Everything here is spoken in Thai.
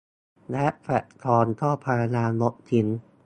และแพลตฟอร์มก็พยายามลบทิ้ง